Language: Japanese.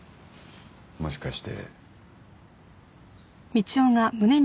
もしかして。